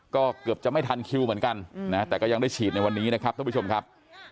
ก็เกือบจะไม่ทันคิวเหมือนกันนะแต่ก็ยังได้ฉีดในวันนี้นะครับท่านผู้ชมครับ